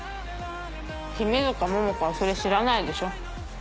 君塚桃子はそれ知らないでしょ？